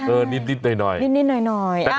เออนิดน้อยนิดน้อย